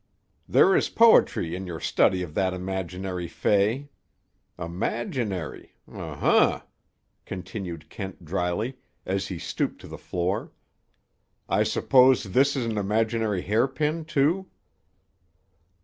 "There is poetry in your study of that imaginary fay. Imaginary! Um hum!" continued Kent dryly, as he stooped to the floor. "I suppose this is an imaginary hairpin, too."